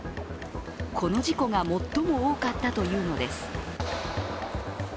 この事故が最も多かったというのです。